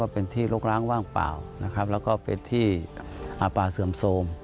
เป็นที่รกล้างว่างเปล่าและเป็นที่อาปาเสื่อมโทรม